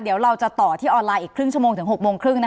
เดี๋ยวเราจะต่อที่ออนไลน์อีกครึ่งชั่วโมงถึง๖โมงครึ่ง